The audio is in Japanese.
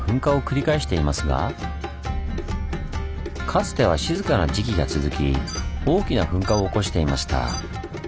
かつては静かな時期が続き大きな噴火を起こしていました。